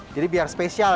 jadi biar spesial ya